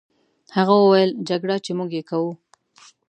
هغه وویل: جګړه، چې موږ یې کوو.